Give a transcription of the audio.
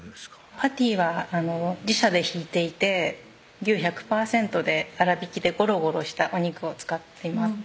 パティは自社でひいていて牛１００％で粗びきでゴロゴロしたお肉を使っています